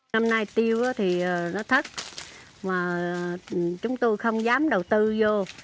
năm nay tiêu thì nó thất mà chúng tôi không dám đầu tư vô